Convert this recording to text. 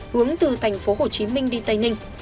hướng từ tp hcm đi tây ninh